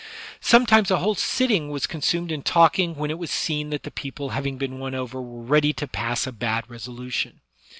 Sometimes a whole sitting was consumed in talking when it was seen that the people having been won over were ready to pass a bad resolution.